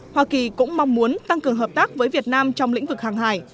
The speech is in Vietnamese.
hoa kỳ cũng mong muốn tăng cường hợp tác với việt nam trong lĩnh vực hàng hải